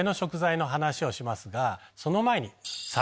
その前に。